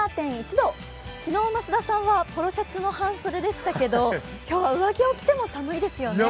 １７．１度、昨日、増田さんはポロシャツの半袖でしたけど今日は上着を着ても寒いですね。